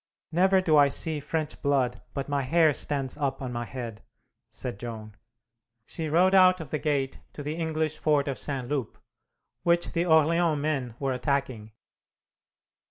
"Never do I see French blood but my hair stands up on my head," said Joan. She rode out of the gate to the English fort of St. Loup, which the Orleans men were attacking.